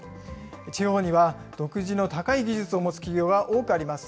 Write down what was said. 地方には独自の高い技術を持つ企業が多くあります。